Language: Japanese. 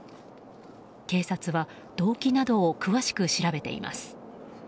警察は、動機などを詳しく調べています。